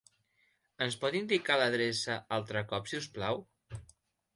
Ens pot indicar l'adreça altre cop, si us plau?